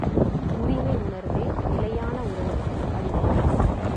உரிமை உணர்வே நிலையான உறவுக்கு அடிப்படை.